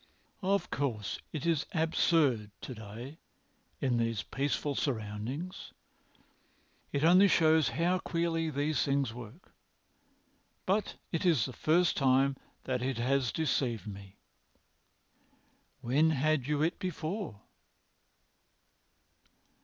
Of course it is absurd to day in these peaceful surroundings. It only shows how queerly these things work. But it is the first time that it has deceived me." "When had you it before?"